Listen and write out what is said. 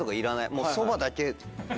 もうそばだけ。